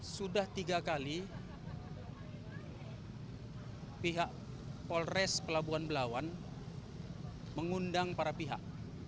sudah tiga kali pihak polres pelabuhan belawan mengundang para pihak